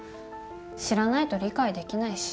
知らないと理解できないし。